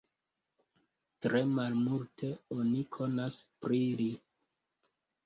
Tre malmulte oni konas pri li.